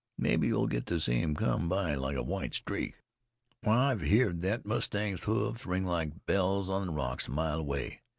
Mebbe you'll get to see him cum by like a white streak. Why, I've heerd thet mustang's hoofs ring like bells on the rocks a mile away.